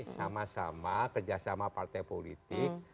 sama sama kerjasama partai politik